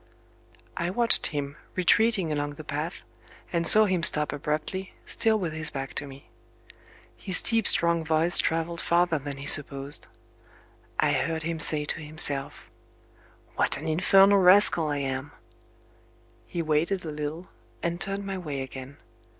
I watched him retreating along the path, and saw him stop abruptly, still with his back to me. His deep strong voice travelled farther than he supposed. I heard him say to himself: "What an infernal rascal I am!" He waited a little, and turned my way again.